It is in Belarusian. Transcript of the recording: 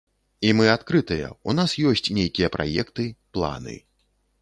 І мы адкрытыя, у нас ёсць нейкія праекты, планы.